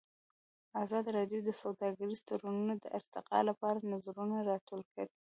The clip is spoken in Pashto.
ازادي راډیو د سوداګریز تړونونه د ارتقا لپاره نظرونه راټول کړي.